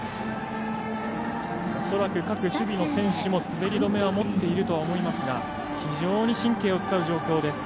おそらく各守備の選手も滑り止めを持っていると思いますが非常に神経を使う状況です。